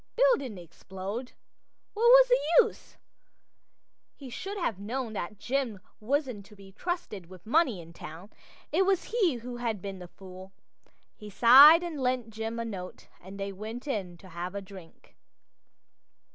Bill didn't explode. What was the use? He should have known that Jim wasn't to be trusted with money in town. It was he who had been the fool. He sighed and lent Jim a pound, and they went in to have a drink.